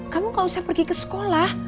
kamu gak usah pergi ke sekolah